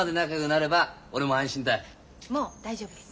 もう大丈夫です。